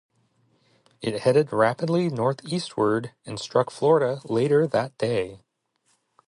It headed rapidly northeastward and struck Florida later that day.